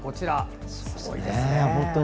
すごいですね、本当に。